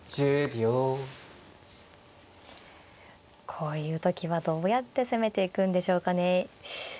こういう時はどうやって攻めていくんでしょうかね。